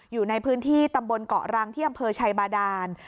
อยู่ในพื้นที่ตำบลเกาะรังที่อำเภอชัยบาดาน